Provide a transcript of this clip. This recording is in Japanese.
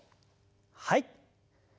はい。